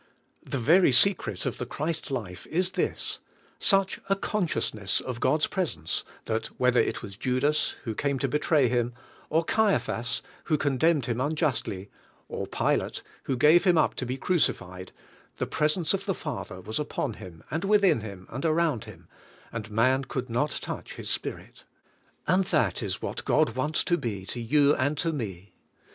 The very secret of the Christ life is this: such a consciousness of God's presence that whether it was Judas, who came to betray Him, or Caiaphas, who condemned Him unjustly, or Pilate, who gave Him up to be crucified, the presence of the Father was upon Him, and within Him, and around Him, and man could not touch His spirit. And that is what God wants to be to you and to me.